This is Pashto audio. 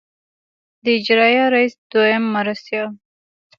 د اجرائیه رییس دوهم مرستیال.